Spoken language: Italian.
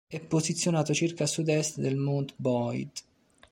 È posizionato circa a sudest del Mount Boyd.